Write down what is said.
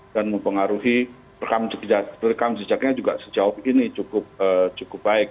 dan mempengaruhi rekam sejaknya juga sejauh ini cukup baik